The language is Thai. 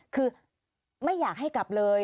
คือไม่อยากให้กลับเลย